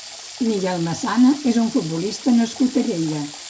Miguel Massana és un futbolista nascut a Lleida.